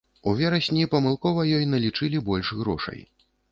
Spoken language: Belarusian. У верасні памылкова ёй налічылі больш грошай.